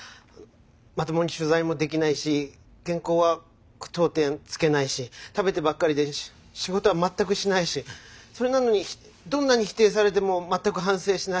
まともに取材もできないし原稿は句読点つけないし食べてばっかりで仕事は全くしないしそれなのにどんなに否定されても全く反省しない。